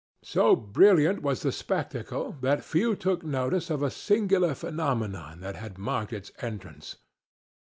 So brilliant was the spectacle that few took notice of a singular phenomenon that had marked its entrance.